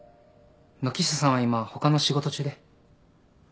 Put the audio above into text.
軒下さんは今他の仕事中で。